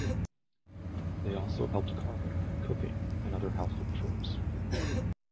They also helped Carmen with cooking and other household chores.